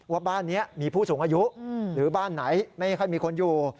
ว่าบ้านนี้มีผู้สูงอายุหรือบ้านไหนไม่ค่อยมีคนอยู่